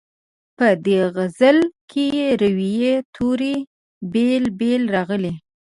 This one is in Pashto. په دې غزل کې روي توري بېل بېل راغلي.